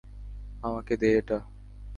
আমাকে দে এটা!